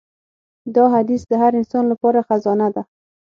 دا حدیث د هر انسان لپاره خزانه ده.